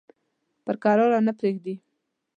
پر کراره نه پرېږدي.